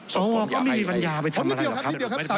โทษว่าก็ไม่มีปัญญาไปทำอะไรหรอกครับ